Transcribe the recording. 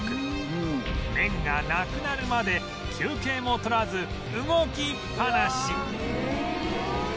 麺がなくなるまで休憩も取らず動きっぱなし